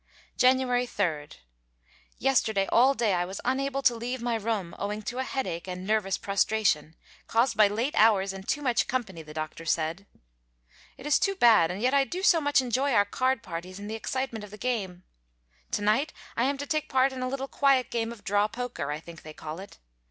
January 3. Yesterday all day I was unable to leave my room, owing to a headache and nervous prostration, caused by late hours and too much company, the doctor said. It is too bad, and yet I do so much enjoy our card parties and the excitement of the game. To night I am to take part in a little quiet game of draw poker, I think they call it.